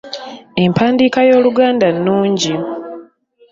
Empandiika y’Oluganda nnungi.